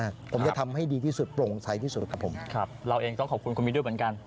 ครับเราเองต้องขอบคุณคุณบินด้วยเหมือนกัน